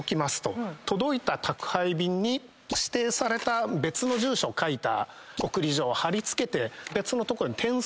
届いた宅配便に指定された別の住所を書いた送り状を貼り付けて別の所に転送する。